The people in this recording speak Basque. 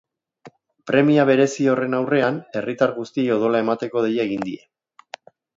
Premia berezi horren aurrean, herritar guztiei odola emateko deia egin die.